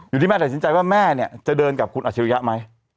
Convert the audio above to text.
ที่แม่ตัดสินใจว่าแม่เนี่ยจะเดินกับคุณอัชริยะไหม